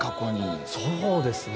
そうですね。